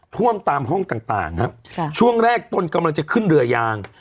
ท่วมตามห้องต่างครับช่วงแรกตนกำลังจะขึ้นเรือยาง